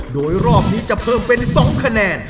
โดยรอบนี้จะเพิ่มเป็น๒คะแนน